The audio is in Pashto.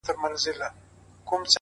چي مي د اوښکو لاره ستړې له ګرېوانه سوله،